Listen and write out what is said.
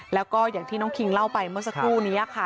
แล้วก็อย่างที่น้องคิงเล่าไปเมื่อสักครู่นี้ค่ะ